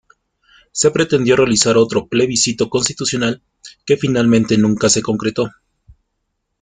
Se pretendió realizar otro plebiscito constitucional, que finalmente nunca se concretó.